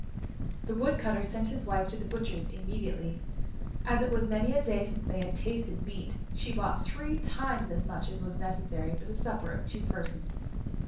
The Woodcutter sent his wife to the butcher's immediately. As it was many a day since they had tasted meat, she bought three times as much as was necessary for the supper of two persons.